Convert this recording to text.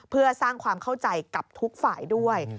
เพื่อสร้างความเข้าใจกับทุกฝ่ายด้วย